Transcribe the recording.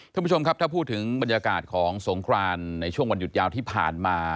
ถ้าพูดถึงบรรยากาศของสงครานในช่วงวันหยุดยาวที่ผ่านมา